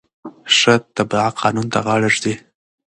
ښه تبعه قانون ته غاړه ږدي.